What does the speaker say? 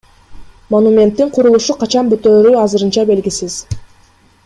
Монументтин курулушу качан бүтөөрү азырынча белгисиз.